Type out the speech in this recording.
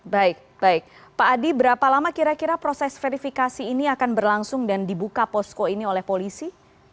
baik baik pak adi berapa lama kira kira proses verifikasi ini akan berlangsung dan dibuka posko ini oleh polisi